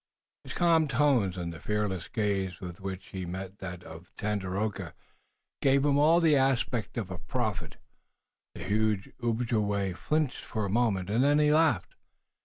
His calm tones, and the fearless gaze with which he met that of Tandakora, gave him all the aspect of a prophet. The huge Ojibway flinched for a moment, and then he laughed.